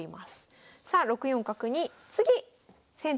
さあ６四角に次先手